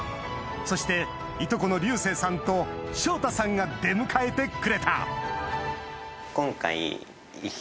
そしていとこの龍生さんと翔太さんが出迎えてくれたあっ